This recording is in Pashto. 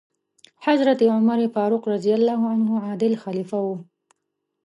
حضرت عمر فاروق رض عادل خلیفه و.